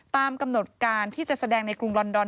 ตามกำหนดการที่จะแสดงในกรุงลอนดอน